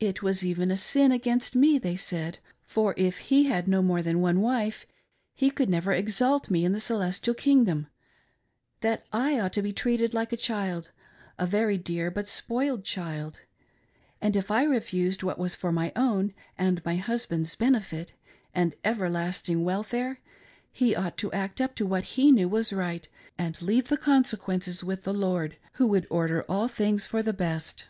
It was even a sin against me they said, for if he had no more than one wife he could never exalt me in the Celestial Kingdom, — that I ought to be treated like a child — a very dear, but spoilt child, ^ and if I refused what was for my own and my husband's benefit and everlasting welfare, he ought to act up to what he knew was right, and leave the consequences with the Lord, who would order all things for the best.